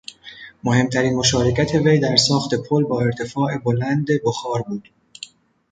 مهمترین مشارکت وی در ساخت پل با ارتفاع بلند بخار بود.